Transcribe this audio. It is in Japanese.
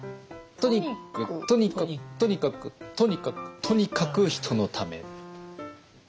トニックとにっかとにかく「とにかく人のため」。